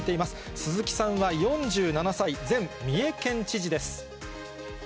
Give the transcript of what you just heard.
鈴木さんは４７歳、前三重県知事です。